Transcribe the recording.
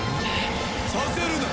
させるな！